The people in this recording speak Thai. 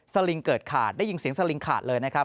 ลิงเกิดขาดได้ยินเสียงสลิงขาดเลยนะครับ